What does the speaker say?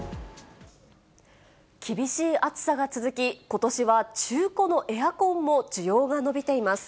厳しい暑さが続き、ことしは中古のエアコンも需要が伸びています。